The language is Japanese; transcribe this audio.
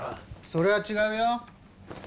それは違うよ。